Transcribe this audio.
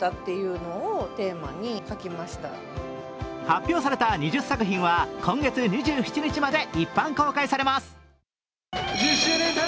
発表された２０作品は今月２７日まで一般公開されます。